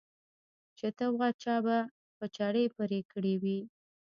چې ته وا چا به په چړې پرې کړي وي.